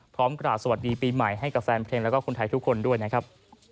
พร้อมกล่าวสวัสดีปีใหม่ให้กับแฟนเพลงแล้วก็คนไทยทุกคนด้วยนะครับ